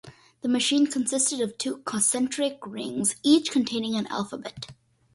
The machine consisted of two concentric rings each containing an alphabet.